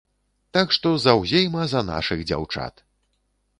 Так што заўзейма за нашых дзяўчат!